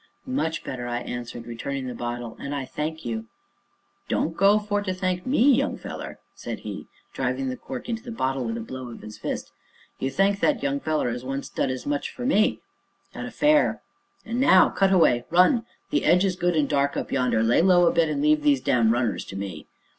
"Much better," I answered, returning the bottle, "and I thank you " "Don't go for to thank me, young feller," said he, driving the cork into the bottle with a blow of his fist, "you thank that young feller as once done as much for me at a fair. An' now cut away run! the 'edge is good and dark, up yonder lay low a bit, and leave these damned Runners to me."